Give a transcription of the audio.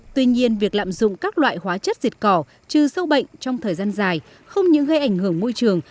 tuy nhiên việc lạm dụng các loại hóa chất diệt cỏ trừ sâu bệnh trong thời gian dài không những gây ảnh hưởng môi trường